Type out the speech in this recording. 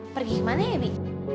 pergi kemana ya bi